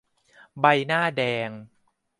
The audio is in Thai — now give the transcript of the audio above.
ใบหน้าแดง